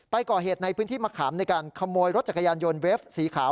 ก่อเหตุในพื้นที่มะขามในการขโมยรถจักรยานยนต์เวฟสีขาว